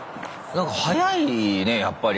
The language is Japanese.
なんか速いねやっぱり。